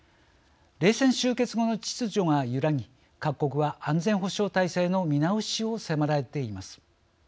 冷戦終結後の秩序が揺らぎ各国は安全保障体制の見直しを迫られています。